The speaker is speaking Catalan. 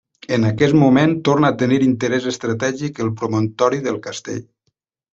En aquest moment torna a tenir interès estratègic el promontori del Castell.